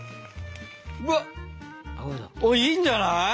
うわっいいんじゃない？